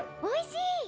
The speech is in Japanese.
おいしい！